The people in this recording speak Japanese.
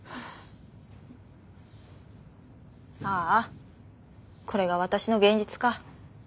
ああこれが私の現実か。